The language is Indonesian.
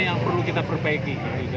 yang perlu kita perbaiki